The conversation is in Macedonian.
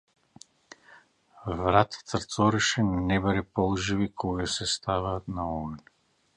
Варта црцореше небаре полжави кога се ставаат на оган.